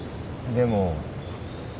でも？